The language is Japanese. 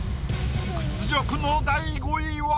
屈辱の第５位は？